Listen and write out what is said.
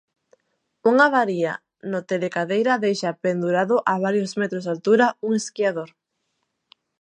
Unha avaría no telecadeira deixa pendurado a varios metros de altura un esquiador.